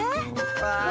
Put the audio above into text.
わあ！